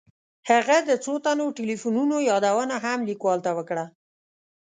هغه د څو تنو تیلیفونونو یادونه هم لیکوال ته وکړه.